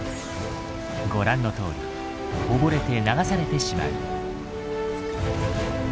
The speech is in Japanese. ご覧のとおり溺れて流されてしまう。